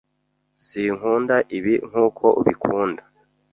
Sinkunda ibi nkuko ubikunda.